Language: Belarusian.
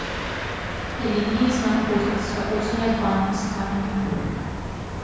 Лініі знаходзяцца ў занядбаным стане.